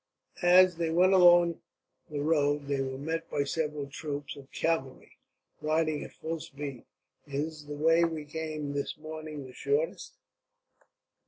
As they went along the road they were met by several troops of cavalry, riding at full speed. "Is the way we came this morning the shortest?"